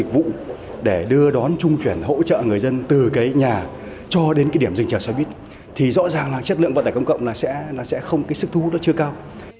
vì rõ ràng là chất lượng vận tải công cộng là sẽ không cái sức thu hút nó chưa cao